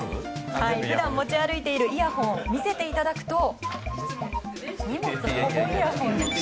普段、持ち歩いているイヤホンを見せていただくと。